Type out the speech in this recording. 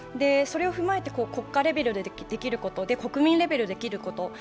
それを踏まえて国家レベルでできること、国民レベルでできること。